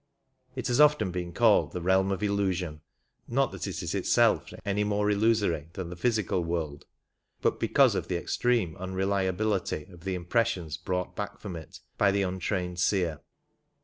It has often been called the realm of illusion — not that it is itself any more illusory than the physical world, but because of the extreme unreliabihty of the impressions brought back from it by the untrained seer.